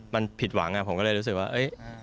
มันผิดหวังผมก็เลยรู้สึกว่า